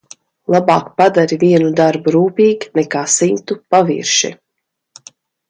Labāk padari vienu darbu rūpīgi nekā simtu pavirši.